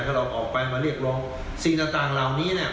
ถ้าเราออกไปมาเรียกร้องสิ่งต่างเหล่านี้เนี่ย